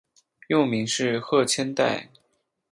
幼名是鹤千代。